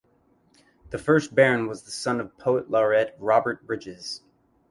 The first Baron was the son of poet laureate Robert Bridges.